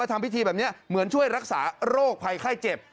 ทำพิธีแบบนี้เหมือนช่วยรักษาโรคภัยไข้เจ็บ